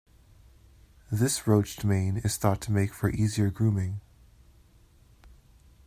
This roached mane is thought to make for easier grooming.